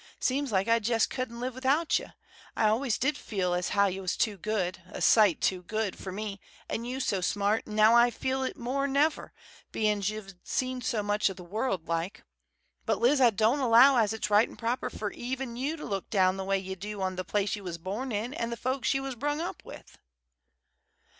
Seems like I jest couldn't live without ye. I always did feel as how ye was too good, a sight too good, fer me, an' you so smart; an' now I feel it more 'n ever, bein' 's ye've seen so much of the world like. But, Liz, I don't allow as it's right an' proper fer even you to look down the way ye do on the place ye was born in an' the folks ye was brung up with."